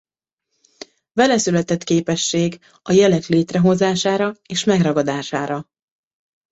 Veleszületett képesség a jelek létrehozására és megragadására.